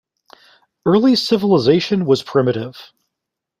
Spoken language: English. Early civilization was primitive.